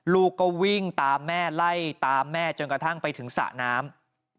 ลูกก็วิ่งตามแม่ไล่ตามแม่จนกระทั่งไปถึงสระน้ำ